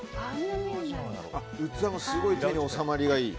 器もすごい手に収まりがいい。